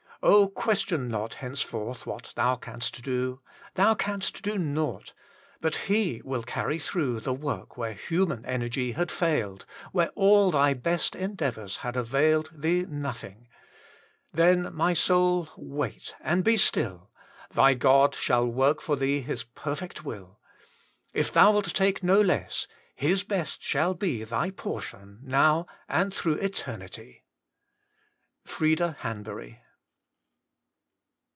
Oh, question not henceforth what thon canst do ; Thou canst do nought. But He will carry through The work where human energy had failed Where all thy best endeavours had availed Thee nothing. Then, my soul, wait and be still ; Thy God shall work for thee His perfect will. If thou wilt take no less, Hia best shall be Thy portion now and through eternity. FlBDA HAVBUBT.